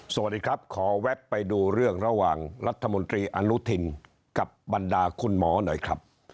สวัสดีครับขอแวบไปดูเรื่องระหว่างรัฐมนตรีอนุทินกับบรรดาคุณหมอหน่อยครับ